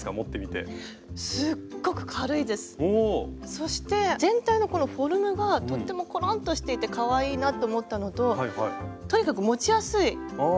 そして全体のこのフォルムがとってもコロンとしていてかわいいなって思ったのととにかく持ちやすいですね。